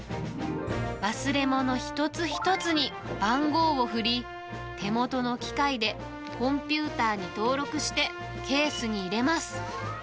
忘れ物一つ一つに番号をふり、手元の機械でコンピューターに登録してケースに入れます。